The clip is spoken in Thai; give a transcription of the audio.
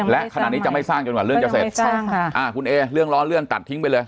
และขณะนี้จะไม่สร้างจนกว่าเรื่องจะเสร็จคุณเอเรื่องล้อเลื่อนตัดทิ้งไปเลย